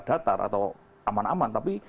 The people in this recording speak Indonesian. datar atau aman aman tapi